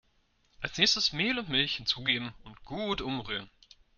Als nächstes Mehl und Milch hinzugeben und gut umrühren.